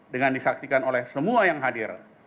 dengan disaksikan oleh semua yang hadir